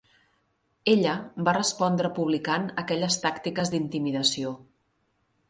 Ella va respondre publicant aquelles tàctiques d'intimidació.